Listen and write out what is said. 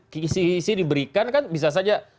kisi isi diberikan kan bisa saja